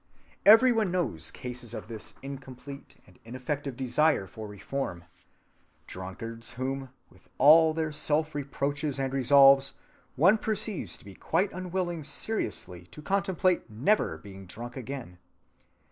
Every one knows cases of this incomplete and ineffective desire for reform,—drunkards whom, with all their self‐reproaches and resolves, one perceives to be quite unwilling seriously to contemplate never being drunk again!